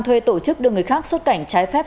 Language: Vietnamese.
thuê tổ chức đưa người khác xuất cảnh trái phép